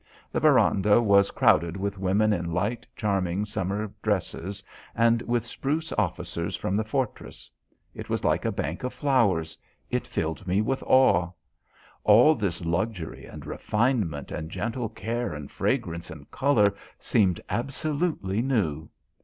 The verandah was crowded with women in light, charming summer dresses, and with spruce officers from the Fortress. It was like a bank of flowers. It filled me with awe. All this luxury and refinement and gentle care and fragrance and colour seemed absolutely new.